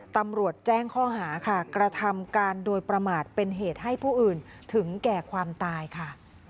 ตำรวจแจ้งข้อหาค่ะกระทำการโดยประมาทเป็นเหตุให้ผู้อื่นถึงแก่ความตายค่ะ